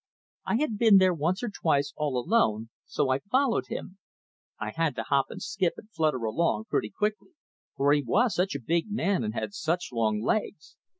I had been there once or twice all alone, so I followed him. I had to hop and skip and flutter along pretty quickly, for he was such a big man and had such long legs.